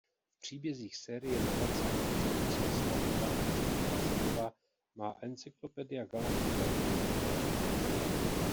V příbězích série Nadace amerického spisovatele Isaaca Asimova má Encyclopedia Galactica důležitou roli.